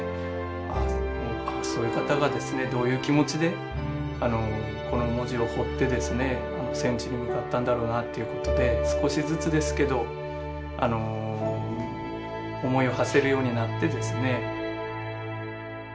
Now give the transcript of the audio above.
ああそういう方がですねどういう気持ちでこの文字を彫って戦地に向かったんだろうなということで少しずつですけど思いをはせるようになってですね。